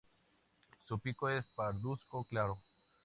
Su pico es parduzco claro.